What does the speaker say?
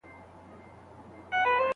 زه د خلګو له ناوړه چلند څخه نه ځورېږم.